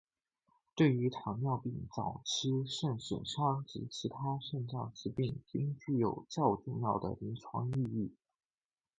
对于糖尿病早期肾损伤及其他肾脏疾病均具有较重要的临床意义。